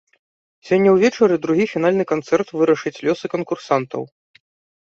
Сёння ўвечары другі фінальны канцэрт вырашыць лёсы канкурсантаў.